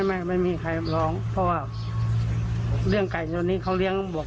ไม่มีใครร้องเพราะว่าเรื่องไก่เงินนี้เขาเลี้ยงบวก